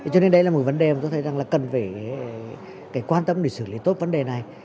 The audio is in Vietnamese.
cho nên đây là một vấn đề mà tôi thấy rằng là cần phải quan tâm để xử lý tốt vấn đề này